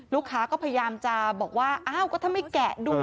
ลูกค้าก็พยายามจะบอกว่าอ้าวก็ถ้าไม่แกะดู